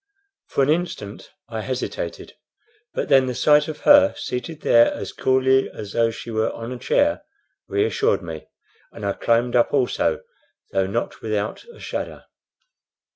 For an instant I hesitated; but then the sight of her, seated there as coolly as though she were on a chair reassured me, and I climbed up also, though not without a shudder.